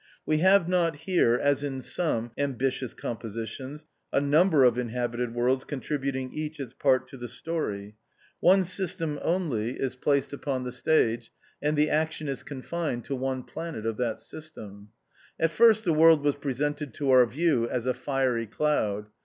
We have not here as in some ambitious compositions, a num ber of inhabited worlds contributing each its part to the story. One system only is placed THE OUTCAST. 35 upon the stage, and the action is confined to one planet of that system. At first the world was presented to our view as a fiery cloud.